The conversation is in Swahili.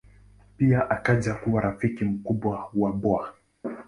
Pia akaja kuwa rafiki mkubwa wa Bw.